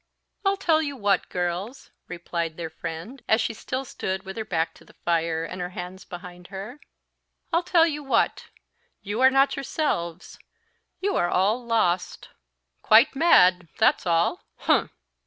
"I'll tell you what, girls," replied their friend, as she still stood with her back to the fire, and her hands behind her; "I'll tell you what, you are not yourselves you are all lost quite mad that's all humph!"